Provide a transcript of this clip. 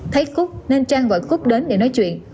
thấy cúc nên trang gọi cúc đến để nói chuyện